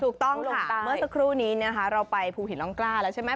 ถูกต้องลงตามเมื่อสักครู่นี้นะคะเราไปภูหินร่องกล้าแล้วใช่ไหม